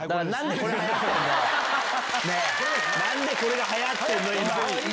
何でこれ流行ってんだよ！